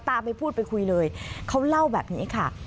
ไปพูดไปคุยเลยเขาเล่าแบบนี้ค่ะ